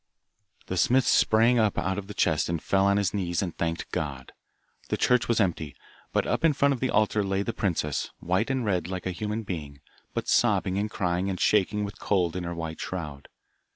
The smith sprang up out of the chest and fell on his knees and thanked God. The church was empty, but up in front of the altar lay the princess, white and red, like a human being, but sobbing and crying, and shaking with cold in her white shroud.